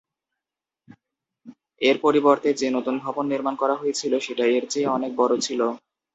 এর পরিবর্তে যে-নতুন ভবন নির্মাণ করা হয়েছিল, সেটা এর চেয়ে অনেক বড় ছিল।